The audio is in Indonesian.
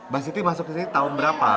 mbak siti masuk ke sini tahun berapa